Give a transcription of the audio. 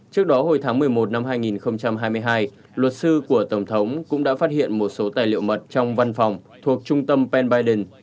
trước đó hồi tháng một mươi một năm hai nghìn hai mươi hai luật sư của tổng thống cũng đã phát hiện một số tài liệu mật trong văn phòng thuộc trung tâm pen biden